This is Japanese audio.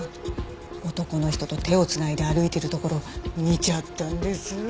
男の人と手を繋いで歩いてるところ見ちゃったんです。